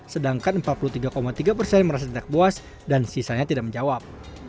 sedangkan empat puluh tiga tiga persen merasa tidak puas dan sisanya tidak menjawab